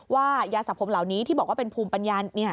ว่ายาสะพรมเหล่านี้ที่บอกว่าเป็นภูมิปัญญา